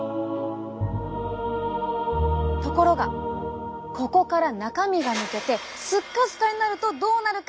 ところがここから中身が抜けてスッカスカになるとどうなるか？